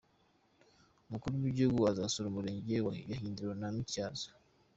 Umukuru w’igihugu azasura imirenge ya Hindiro na Matyazo.